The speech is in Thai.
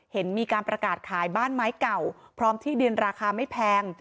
เห็นมีการประกาศขายบ้านไม้เก่าพร้อมที่ดินราคาไม่แพง